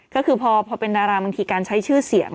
ก็คือพอเป็นดาราบางทีการใช้ชื่อเสียง